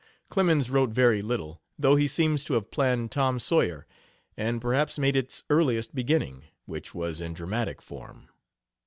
Clemens wrote very little, though he seems to have planned Tom Sawyer, and perhaps made its earliest beginning, which was in dramatic form.